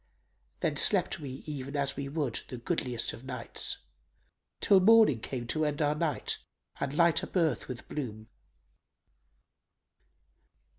Then slept we even as we would the goodliest of nights * Till morning came to end our night and light up earth with bloom."